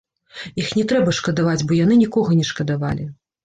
Іх не трэба шкадаваць, бо яны нікога не шкадавалі.